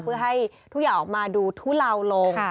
เพื่อให้ทุกอย่างออกมาดูทุเลาลง